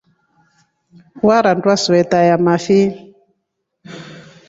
Warandwa suveta yamafi?